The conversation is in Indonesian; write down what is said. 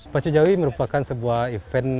pacu jawi merupakan sebuah event